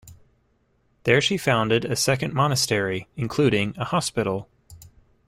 There she founded a second monastery, including a hospital.